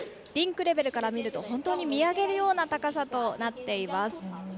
リンクレベルから見ると本当に見上げるような高さとなっています。